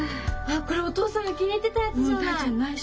あっこれお父さんが気に入ってたやつじゃない！